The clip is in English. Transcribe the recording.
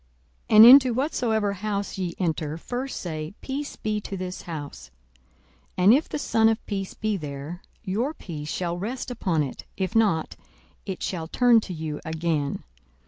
42:010:005 And into whatsoever house ye enter, first say, Peace be to this house. 42:010:006 And if the son of peace be there, your peace shall rest upon it: if not, it shall turn to you again.